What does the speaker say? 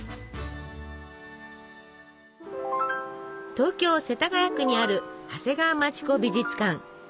東京・世田谷区にある長谷川町子美術館。